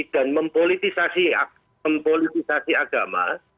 dan mempolitisasi agama